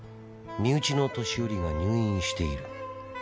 身内の年寄りが入院している」